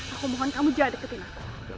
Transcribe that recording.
aku mohon kamu jangan deketin aku